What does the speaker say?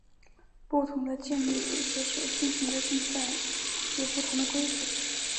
不同的健力组织所举行的竞赛有不同的规则。